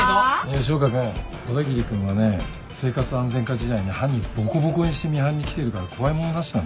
吉岡君小田切君はね生活安全課時代に犯人ぼこぼこにしてミハンに来てるから怖いものなしなんだよ。